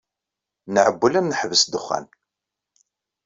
Nɛewwel ad neḥbes ddexxan.